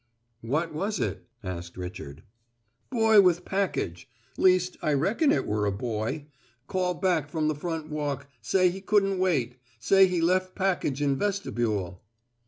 "What was it?" asked Richard. "Boy with package. Least, I reckon it were a boy. Call' back from the front walk, say he couldn' wait. Say he lef' package in vestibule."